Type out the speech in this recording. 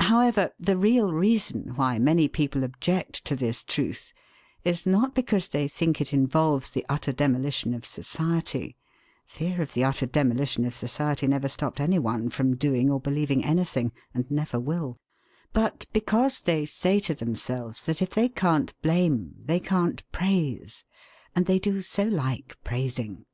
However, the real reason why many people object to this truth is not because they think it involves the utter demolition of society (fear of the utter demolition of society never stopped any one from doing or believing anything, and never will), but because they say to themselves that if they can't blame they can't praise. And they do so like praising!